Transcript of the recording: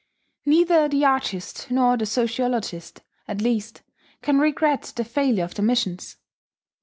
Neither the artist nor the sociologist, at least, can regret the failure of the missions.